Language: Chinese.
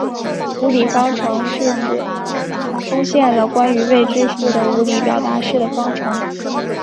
无理方程是指出现了关于未知数的无理表达式的方程。